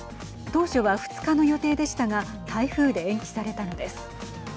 当初は２日の予定でしたが台風で延期されたのです。